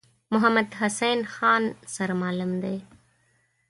محمدحسین خان سرمعلم دی.